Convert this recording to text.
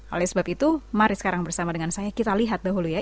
oleh sebab itu mari sekarang bersama dengan saya kita lihat dahulu ya